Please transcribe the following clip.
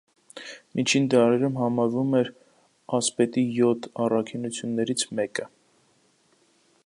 Միջին դարերում համարվել է «ասպետի յոթ առաքինություններից» մեկը։